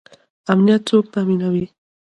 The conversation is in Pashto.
امنیت څوک تامینوي؟